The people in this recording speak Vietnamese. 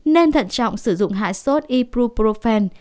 nên thận trọng sử dụng hạ sốt iproprofen